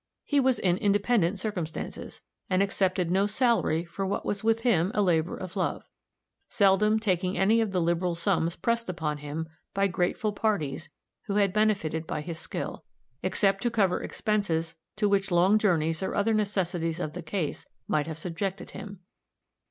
He was in independent circumstances, and accepted no salary for what was with him a labor of love; seldom taking any of the liberal sums pressed upon him by grateful parties who had benefited by his skill, except to cover expenses to which long journeys, or other necessities of the case, might have subjected him.